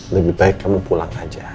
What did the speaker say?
lebih baik kamu pulang aja